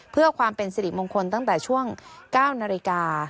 เพื่อความเป็นสิริมงคลตั้งแต่ช่วง๙นาฬิกา